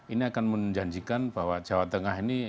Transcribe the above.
ini akan menjanjikan bahwa jawa tengah ini